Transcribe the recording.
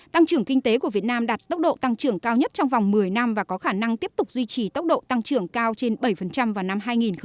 tăng trưởng kinh tế của việt nam đạt tốc độ tăng trưởng cao nhất trong vòng một mươi năm và có khả năng tiếp tục duy trì tốc độ tăng trưởng cao trên bảy vào năm hai nghìn hai mươi